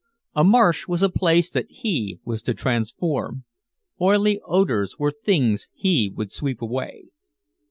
A marsh was a place that he was to transform, oily odors were things he would sweep away.